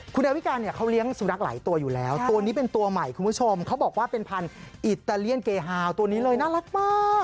คุณดาวิการเนี่ยเขาเลี้ยงสุนัขหลายตัวอยู่แล้วตัวนี้เป็นตัวใหม่คุณผู้ชมเขาบอกว่าเป็นพันธุ์อิตาเลียนเกฮาวตัวนี้เลยน่ารักมาก